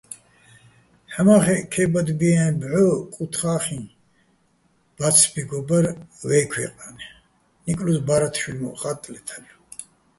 ჰ̦ამა́ხეჸ ქე́ბადბიენო̆ ბჵო კუთხახიჼ ბა́ცბიგო ბარ ვეჲ ქვეჲყნე, ნიკლო́ზ ბა́რათშვილ მო́ჸ ხა́ტტლეთ ჰ̦ალო̆.